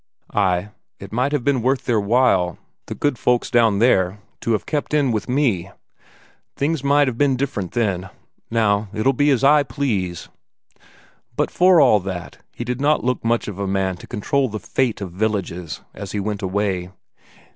Ay, it might have been worth their while, the good folks down there, to have kept in with me; things might have been different then. Now, it'll be as I please." But for all that, he did not look much of a man to control the fate of villages, as he went away.